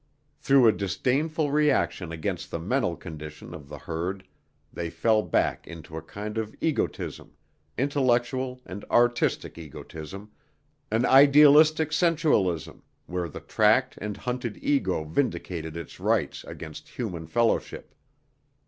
Through a disdainful reaction against the mental condition of the herd they fell back into a kind of egotism, intellectual and artistic egotism, an idealistic sensualism, where the tracked and hunted ego vindicated its rights against human fellowship.